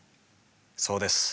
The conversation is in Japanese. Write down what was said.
そうです。